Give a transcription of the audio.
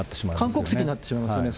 韓国籍になってしまいますよね。